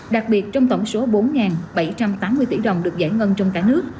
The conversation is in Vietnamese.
đặc biệt trong tổng số bốn bảy trăm tám mươi tỷ đồng được giải ngân trong cả nước